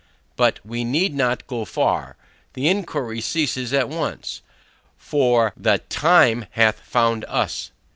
But we need not go far, the inquiry ceases at once, for, the TIME HATH FOUND US.